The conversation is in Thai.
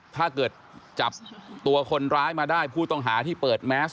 ถ้าเกิดจับตัวคนร้ายมาได้ผู้ต้องหาที่เปิดแมส